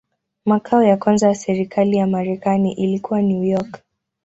Makao ya kwanza ya serikali ya Marekani ilikuwa New York.